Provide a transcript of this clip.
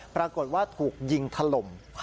ปรากฏว่าถูกยิงถล่ม